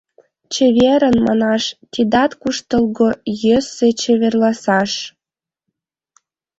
«Чеверын...» манаш — тидат куштылго, йӧсӧ — чеверласаш...